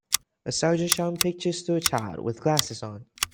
A soldier showing pictures to a child with glasses on.